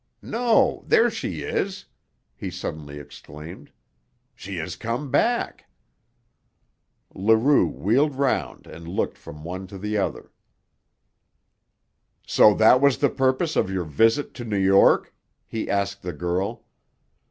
No, there she is!" he suddenly exclaimed. "She has come back!" Leroux wheeled round and looked from one to the other. "So that was the purpose of your visit to New York?" he asked the girl.